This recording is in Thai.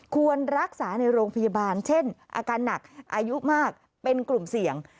ควรรักษาในโรงพยาบาลเช่นอาการหนักอายุมากเป็นกลุ่มเสี่ยง